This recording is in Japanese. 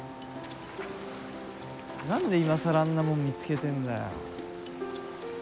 何で今更あんなもん見つけてえんだよ。